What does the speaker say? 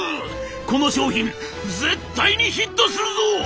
この商品絶対にヒットするぞ！」。